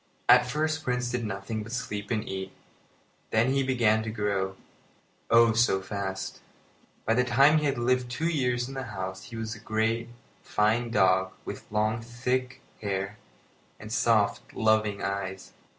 At first Prince did nothing but sleep and eat. Then he began to grow, oh! so fast. By the time he had lived two years in the house he was a great, fine dog, with long, thick hair and soft, loving eyes.